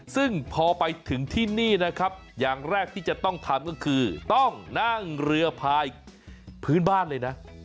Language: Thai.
ซึ่งพอไปถึงที่นี่นะครับอย่างแรกที่จะต้องทำก็คือต้องนั่งเรือพายพื้นบ้านเลยนะ